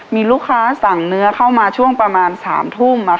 มีลูกค้าสั่งเนื้อเข้ามาช่วงประมาณ๓ทุ่ม